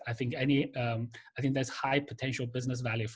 saya pikir ada nilai bisnis yang berpotensi tinggi untuk bisnis